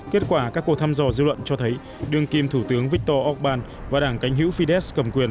kết quả các cuộc thăm dò dư luận cho thấy đương kim thủ tướng viktor orbán và đảng cánh hữu fidesh cầm quyền